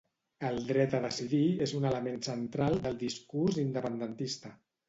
El dret a decidir és un element central del discurs independentista